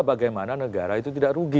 bagaimana negara itu tidak rugi